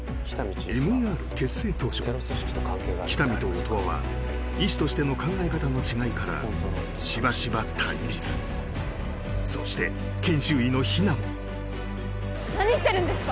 ＭＥＲ結成当初喜多見と音羽は医師としての考え方の違いからしばしば対立そして研修医の比奈も何してるんですか